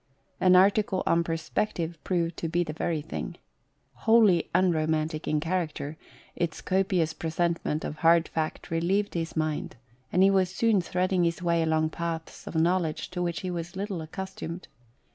An article on Perspective proved to be the very thing. Wholly unromantic in character, its copious presentment of hard fact relieved his mind, and he was soon threading his way along paths of knowledge to which he was little accustomed.